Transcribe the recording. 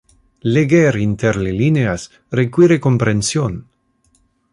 Leger inter le lineas require comprension.